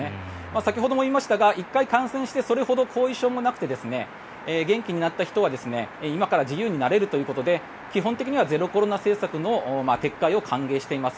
先ほども言いましたが１回感染してそれほど後遺症もなくて元気になった人は今から自由になれるということで基本的にはゼロコロナ政策の撤回を歓迎しています。